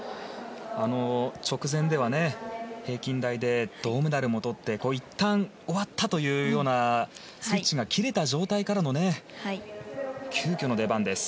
直前では平均台で銅メダルもとっていったん、終わったというようなスイッチが切れた状態からの急きょの出番です。